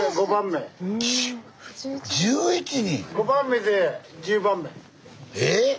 １１人⁉え？